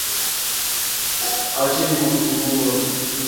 mwingine kuliko wa kawaida Katika lugha za kimsimu huitwa kuwa juu